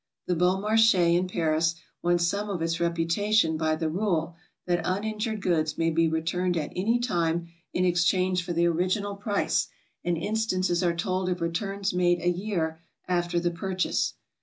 The Bon Marche in Paris won some of its reputation by the rule that uninjured goods may be returned at any time in exchange for the original price, and instances are told of returns made a year after the purchase.